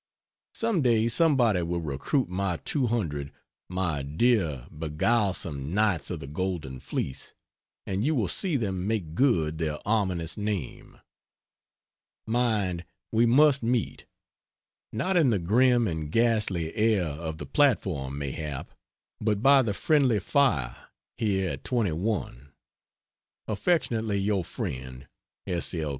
Some day somebody will recruit my 200 my dear beguilesome Knights of the Golden Fleece and you will see them make good their ominous name. Mind, we must meet! not in the grim and ghastly air of the platform, mayhap, but by the friendly fire here at 21. Affectionately your friend, S. L.